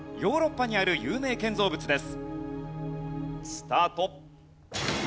スタート。